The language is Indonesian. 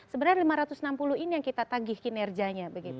sebenarnya lima ratus enam puluh ini yang kita tagih kinerjanya